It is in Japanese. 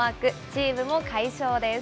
チームも快勝です。